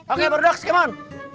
oke berudaks come on